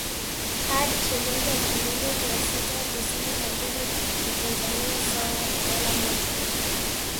hadi shilingi elfu mbili mia sita tisini na mbili za Tanzania sawa na dola moja